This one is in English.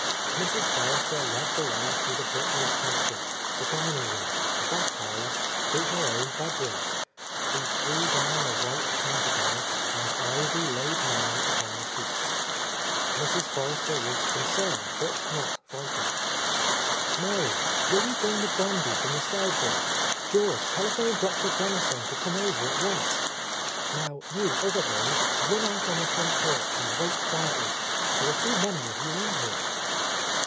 Mrs. Forrester led the way through the butler's pantry, the dining room, the back parlour, to her own bedroom. She threw down the white counterpane, and Ivy laid Niel —oO— A Lost Lady upon the sheets. Mrs. Forrester was concerned, but not frightened. "Mary, will you bring the brandy from the sideboard. George, telephone Dr. Dennison to come over at once. Now you other boys run out on the front porch and wait quietly. There are too many of you in here."